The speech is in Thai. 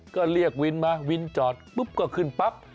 ก็เรียกวินมาวินจอดปุ๊บก็ขึ้นปั๊บ